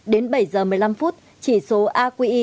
đến bảy giờ một mươi năm phút chỉ số aqi